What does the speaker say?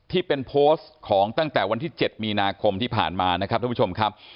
ที่เป็นโพสต์ของตั้งแต่วันที่๗มีนาคมที่ผ่านมานะครับท่านผู้ชมครับ